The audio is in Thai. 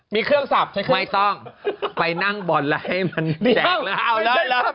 มีเครื่องศัพท์ใช้เครื่องไม่ต้องไปนั่งบอลละให้มันแจกแล้วเอาแล้ว